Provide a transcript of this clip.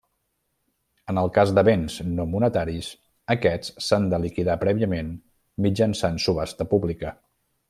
En el cas de béns no monetaris, aquests s'han de liquidar prèviament mitjançant subhasta pública.